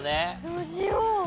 どうしよう。